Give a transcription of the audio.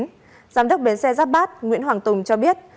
giám đốc bến xe giáp bát nguyễn hoàng tùng cho biết